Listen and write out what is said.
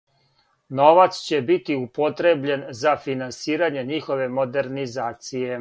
Новац ће бити употребљен за финансирање њихове модернизације.